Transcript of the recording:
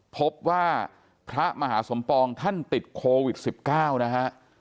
พบว่าพระมหาสมปองท่านติดโควิด๑๙นะฮะ